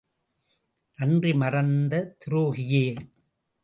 நன்றி மறந்த துரோகியே!